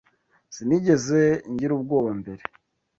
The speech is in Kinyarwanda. Sinigeze ngira ubwoba mbere.